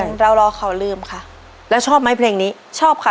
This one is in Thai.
เรารอเขาลืมค่ะแล้วชอบไหมเพลงนี้ชอบค่ะ